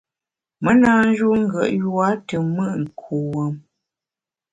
Me na njun ngùet yua te mùt kuwuom.